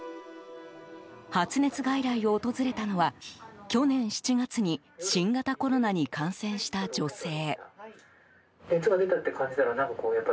発熱外来を訪れたのは去年７月に新型コロナに感染した女性。